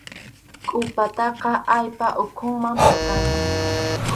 Qʼupataqa allpa ukhuman pakana.